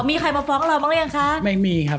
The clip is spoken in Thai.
มีใครมาฟ้องเราบ้างหรือยังคะไม่มีครับ